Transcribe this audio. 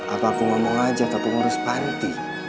aku ngomong aja ke pengurus panti